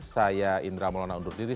saya indra maulana undur diri